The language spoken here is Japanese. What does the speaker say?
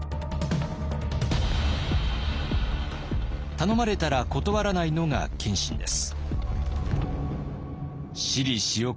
頼まれたら断らないのが謙信です。